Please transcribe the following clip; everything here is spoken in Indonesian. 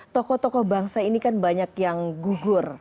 tokoh tokoh bangsa ini kan banyak yang gugur